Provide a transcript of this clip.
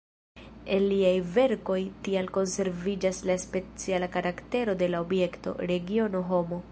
En liaj verkoj tial konserviĝas la speciala karaktero de la objekto, regiono, homo.